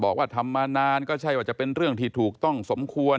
บอกว่าทำมานานก็ใช่ว่าจะเป็นเรื่องที่ถูกต้องสมควร